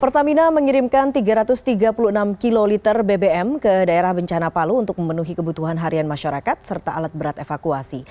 pertamina mengirimkan tiga ratus tiga puluh enam kiloliter bbm ke daerah bencana palu untuk memenuhi kebutuhan harian masyarakat serta alat berat evakuasi